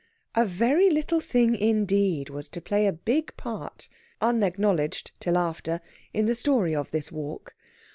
A very little thing indeed was to play a big part, unacknowledged till after, in the story of this walk.